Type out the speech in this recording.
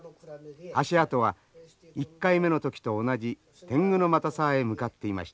足跡は１回目の時と同じ天狗ノ又沢へ向かっていました。